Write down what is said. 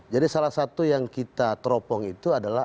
jadi salah satu yang kita teropong itu adalah